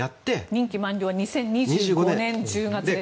任期満了は２０２５年１０月です。